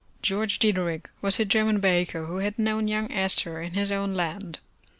George Diederich was a German baker, who had known young Astor in his own land.